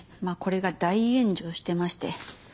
まあこれが大炎上してまして。